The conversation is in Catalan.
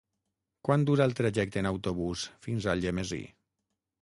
Quant dura el trajecte en autobús fins a Algemesí?